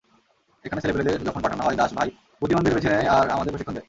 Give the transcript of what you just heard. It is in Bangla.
এখানে ছেলেপেলেদের যখন পাঠানো হয় দাস ভাই বুদ্ধিমানদের বেছে নেয় আর আমাদের প্রশিক্ষণ দেয়।